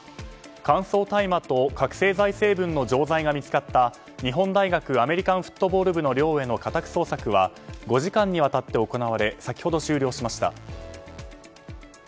乾燥大麻と覚醒剤成分の錠剤が見つかった日本大学アメリカンフットボール部の寮への家宅捜索は５時間にわたって行われ先ほど終了しました。